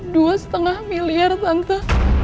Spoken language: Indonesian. dua setengah miliar tante